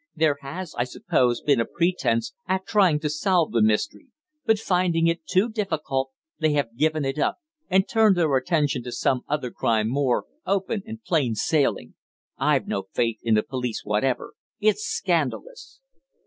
There has, I suppose, been a pretence at trying to solve the mystery; but, finding it too difficult, they have given it up, and turned their attention to some other crime more open and plain sailing. I've no faith in the police whatever. It's scandalous!"